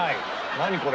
何これ？